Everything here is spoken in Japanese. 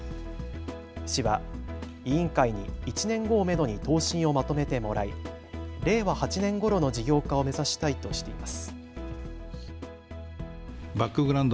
市は委員会に１年後をめどに答申をまとめてもらい令和８年ごろの事業化を目指したいとしています。